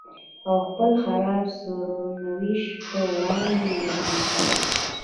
او خپل خراب سرنوشت په وړاندې ودرېږي.